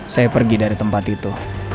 saya pergi dari tempat itu